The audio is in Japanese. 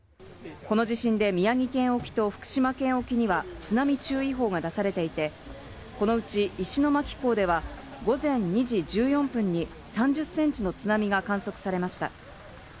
この地震で宮城県沖と福島県沖には津波注意報が出されていてこのうち石巻港では午前２時１４分に３０センチの津波が観測されました。